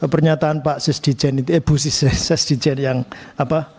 pernyataan pak sesdijen eh bu sesdijen yang apa